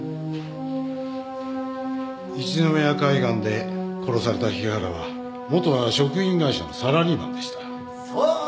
一宮海岸で殺された日原はもとは食品会社のサラリーマンでした。